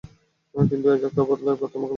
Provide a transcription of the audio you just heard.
কিন্তু অ্যাজাক তার বদলে তোমাকে বেছে নিয়েছে।